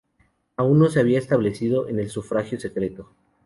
Aún no se había establecido el sufragio secreto.